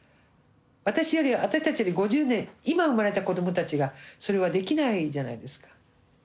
私より私たちより５０年今生まれた子どもたちがそれはできないじゃないですか。